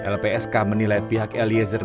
lpsk menilai pihak eliezer